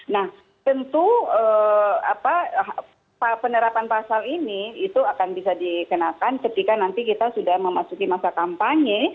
nah tentu penerapan pasal ini itu akan bisa dikenakan ketika nanti kita sudah memasuki masa kampanye